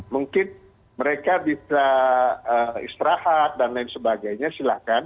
mungkin mereka bisa istirahat dan lain sebagainya silahkan